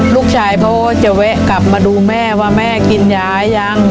เขาก็จะแวะกลับมาดูแม่ว่าแม่กินยายัง